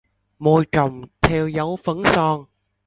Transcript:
Môi tròn theo dấu phấn son